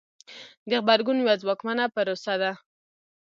د غبرګون یوه ځواکمنه پروسه ده.